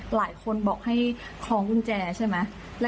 หลายคนบอกให้คล้องกุญแจใช่ไหม